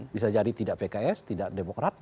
bisa jadi tidak pks tidak demokrat